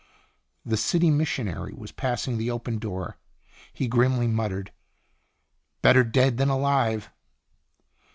The city missionary was passing the open door. He grimly muttered : "Better dead than alive!"